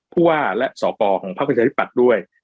ผู้ว่าและสกของพักประชาธิปัตย์ด้วย